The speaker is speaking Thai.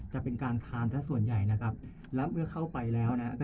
จะเป็นการทานสักส่วนใหญ่นะครับแล้วเมื่อเข้าไปแล้วนะครับ